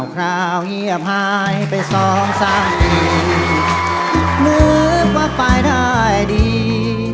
คราวเงียบหายไปสองสามทีนึกว่าไปได้ดี